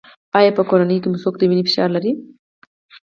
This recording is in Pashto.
ایا په کورنۍ کې مو څوک د وینې فشار لري؟